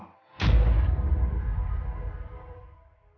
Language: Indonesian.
reina memang bukan anak buah